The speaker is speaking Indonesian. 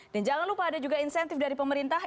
dan jangan lupa ada juga insentif dari pemerintah